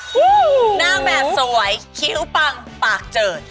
หน้าแบบสวยขิ้วปั่งปากเจอด